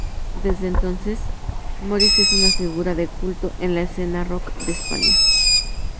Desde entonces, Moris es una figura de culto en la escena rock de España.